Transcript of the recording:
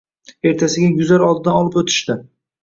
Ertasiga guzar oldidan olib o‘tishdi.